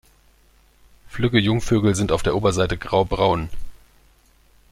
Flügge Jungvögel sind auf der Oberseite graubraun.